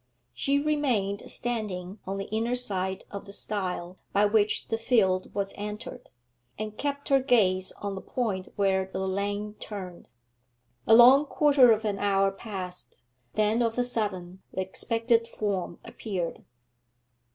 She remained standing on the inner side of the stile by which the field was entered, and kept her gaze on the point where the lane turned. A long quarter of an hour passed, then of a sudden the expected form appeared.